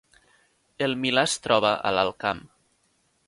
El Milà es troba a l’Alt Camp